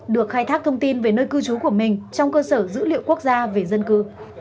được khai thác thông tin về nơi cư trú của mình trong cơ sở dữ liệu quốc gia về dân cư